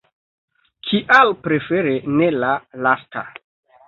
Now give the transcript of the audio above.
Kial prefere ne la lasta?